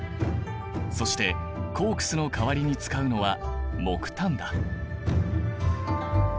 そしてコークスの代わりに使うのは木炭だ。